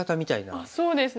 あっそうですね。